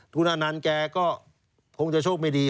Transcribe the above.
คุณอนันต์แกก็คงจะโชคไม่ดี